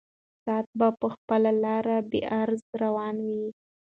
ساعت به په خپله لاره بېغرضه روان وي.